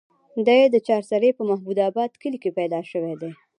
دے د چارسرې پۀ محمود اباد کلي کښې پېدا شوے دے